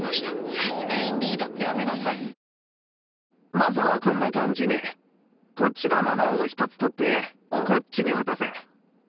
まずはこんな感じにこっちの「７」を１つ取ってこっちに落とす。